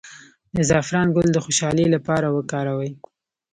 د زعفران ګل د خوشحالۍ لپاره وکاروئ